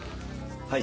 はい。